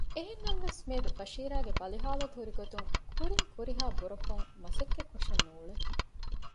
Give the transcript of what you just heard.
އެހެންނަމަވެސް މިއަދު ބަޝީރާގެ ބަލިހާލަތު ހުރިގޮތުން ކުރިން ކުރިހާ ބުރަކޮން މަސައްކަތް ކޮށެއް ނޫޅެވެ